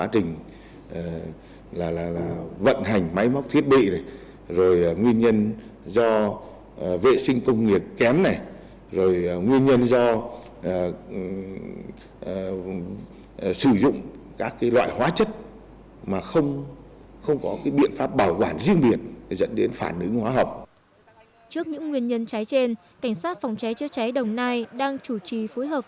trước những nguyên nhân cháy trên cảnh sát phòng cháy chữa cháy đồng nai đang chủ trì phối hợp